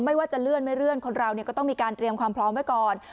ไม่ว่าจะเลื่อนไม่เลื่อนคนเราก็ต้องมีการเตรียมความพร้อมไว้ก่อน